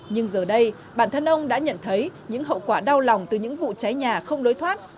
nhưng giờ đây bản thân ông đã nhận thấy những hậu quả đau lòng từ những vụ cháy nhà không lối thoát